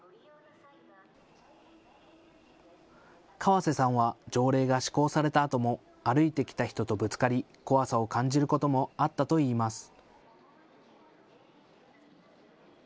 川瀬さんは条例が施行されたあとも歩いてきた人とぶつかり怖さを感じることもあったといいます。